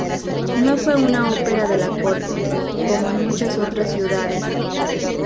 No fue una ópera de la corte, como en muchas otras ciudades.